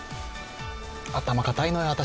頭硬いのよ、私。